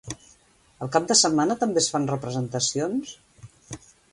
El cap de setmana també es fan representacions?